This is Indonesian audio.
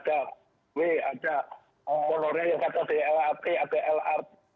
ada w ada monorail ada dlap ada lr